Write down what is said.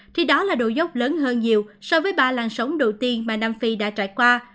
thì đó là độ dốc lớn hơn nhiều so với ba làng sống đầu tiên mà nam phi đã trải qua